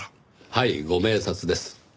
はいご明察です。